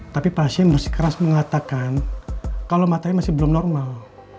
tapi pasien masih keras mengatakan kalau matanya masih belum normal